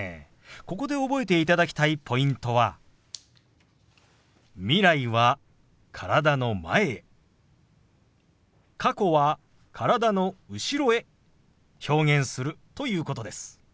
ここで覚えていただきたいポイントは未来は体の前へ過去は体の後ろへ表現するということです。